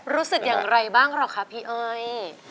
รู้สึกอย่างไรบ้างหรอคะพี่อ้อย